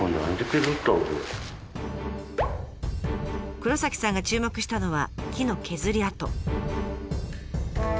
黒崎さんが注目したのは木の削り跡。